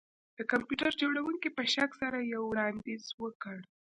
د کمپیوټر جوړونکي په شک سره یو وړاندیز وکړ